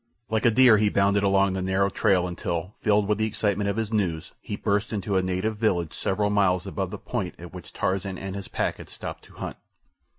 Like a deer he bounded along the narrow trail until, filled with the excitement of his news, he burst into a native village several miles above the point at which Tarzan and his pack had stopped to hunt.